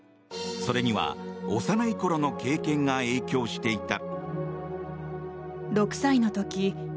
それには、幼いころの経験が影響していた。